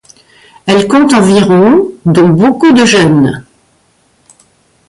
Elle compte environ dont beaucoup de jeunes.